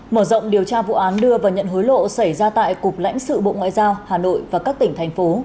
mở rộng điều tra vụ án đưa và nhận hối lộ xảy ra tại cục lãnh sự bộ ngoại giao hà nội và các tỉnh thành phố